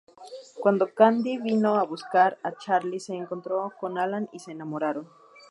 Cuando Kandi vino a buscar a Charlie se encontró con Alan y se enamoraron.